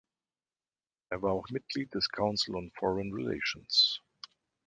Er war auch Mitglied des Council on Foreign Relations.